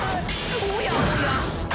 おやおや。